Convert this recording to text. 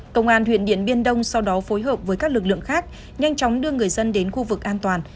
công an huyện điện biên đông sau đó phối hợp với các lực lượng khác nhanh chóng đưa người dân đến khu vực an toàn